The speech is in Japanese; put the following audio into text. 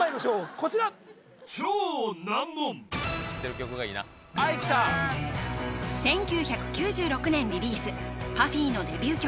こちら知ってる曲がいいな１９９６年リリースＰＵＦＦＹのデビュー曲